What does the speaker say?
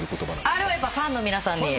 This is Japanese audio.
あれはファンの皆さんに。